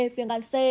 viên gan c